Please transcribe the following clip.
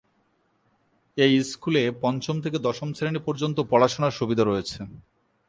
এই স্কুলে পঞ্চম থেকে দশম শ্রেণি পর্যন্ত পড়াশোনার সুবিধা রয়েছে।